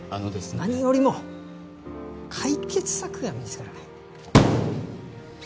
何よりも解決策が見つからない